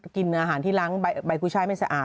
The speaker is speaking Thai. กินอาหารที่ล้างใบกุ้ยช่ายไม่สะอาด